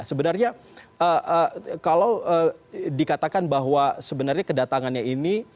sebenarnya kalau dikatakan bahwa sebenarnya kedatangannya ini